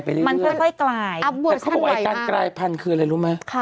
แต่เขาบอกว่าการกลายพันธุ์คืออะไรรู้ไหม